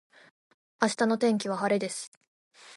明日の天気は晴れです